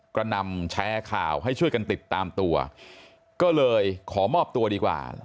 นำแชร์ข่าวให้ช่วยกันติดตามตัวก็เลยขอมอบตัวดีกว่า